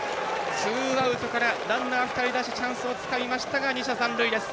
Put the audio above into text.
ツーアウトからランナー２人出してチャンスをつかみましたが２者残塁です。